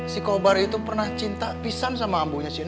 si kobar itu pernah cinta pisang sama abunya si neng